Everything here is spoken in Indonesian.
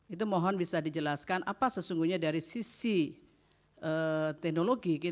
itu mohon bisa dijelaskan apa sesungguhnya dari sisi teknologi